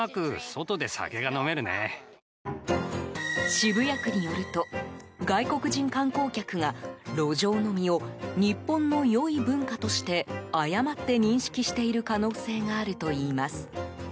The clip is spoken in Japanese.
渋谷区によると外国人観光客が路上飲みを日本の良い文化として誤って認識している可能性があるといいます。